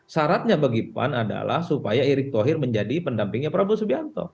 syaratnya bagi pan adalah supaya erick thohir menjadi pendampingnya prabowo subianto